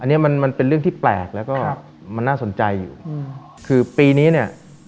อันนี้มันมันเป็นเรื่องที่แปลกแล้วก็มันน่าสนใจอยู่อืมคือปีนี้เนี่ย